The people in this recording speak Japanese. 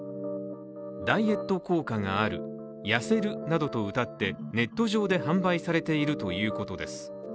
ダイエット効果がある、痩せるなどとうたってネット上で販売されているということです。